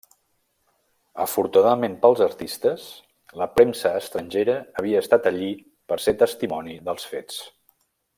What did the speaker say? Afortunadament pels artistes, la premsa estrangera havia estat allí per ser testimoni dels fets.